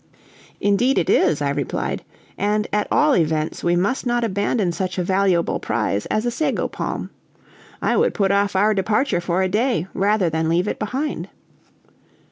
"Indeed it is," I replied; "and at all events we must not abandon such a valuable prize as a sago palm. I would put off our departure for a day rather than leave it behind."